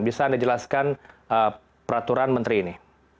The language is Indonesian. bisa anda jelaskan peraturan menteri ini